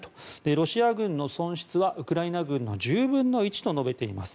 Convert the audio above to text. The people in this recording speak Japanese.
ロシア軍の損失はウクライナ軍の１０分の１と述べています。